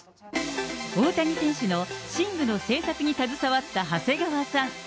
大谷選手の寝具の製作に携わった長谷川さん。